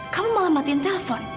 kamu malah matiin telpon